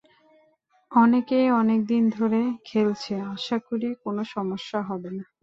অনেকেই অনেক দিন ধরে খেলছে, আশা করি কোনো সমস্যা হবে না।